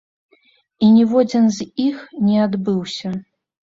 І ніводзін з іх не адбыўся!